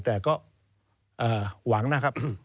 แต่ก็หวังนะครับ